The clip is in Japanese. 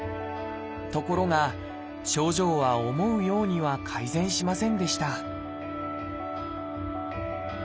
ところが症状は思うようには改善しませんでした